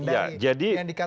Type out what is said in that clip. dari yang dikatakan orang kita